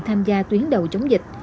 tham gia tuyến đầu chống dịch